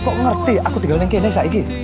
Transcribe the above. kok ngerti aku tinggal di indonesia ini